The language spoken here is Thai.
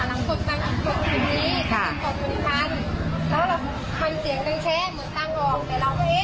กดตังค์อยู่แล้วเมื่อเยื่อนหาหลังกดตังค์อีกครั้งคืนนี้